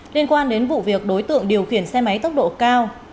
liên quan đến vụ việc đối tượng điều khiển xe máy tốc độ cao